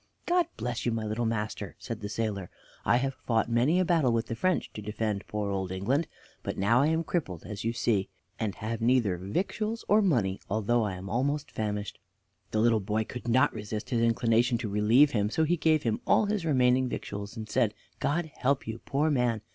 "God bless you, my little master!" said the sailor. "I have fought many a battle with the French to defend poor old England, but now I am crippled, as you see, and have neither victuals nor money, although I am almost famished." The little boy could not resist his inclination to relieve him, so he gave him all his remaining victuals, and said: "God help you, poor man!